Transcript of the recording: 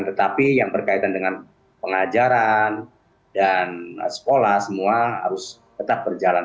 tetapi yang berkaitan dengan pengajaran dan sekolah semua harus tetap berjalan